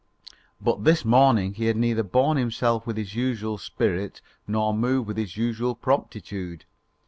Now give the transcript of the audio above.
But this morning he had neither borne himself with his usual spirit nor moved with his usual promptitude.